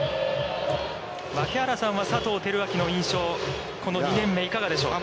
槙原さんは佐藤輝明の印象、この２年目いかがでしょうか。